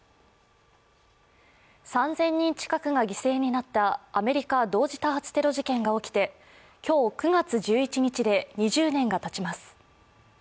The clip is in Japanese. ３０００人近くが犠牲になったアメリカ同時多発テロ事件が起きて今日、９月１１日で２０年がたちます。